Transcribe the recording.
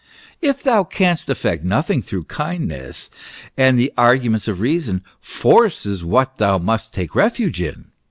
If them canst effect nothing through kindness and the argu ments of reason, force is what them must take refuge in.